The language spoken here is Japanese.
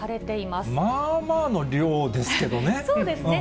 まあまあの量ですけどね。